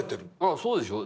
そうでしょう。